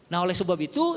nah oleh sebab itu